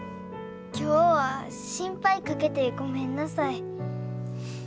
今日は心配かけてごめんなさい。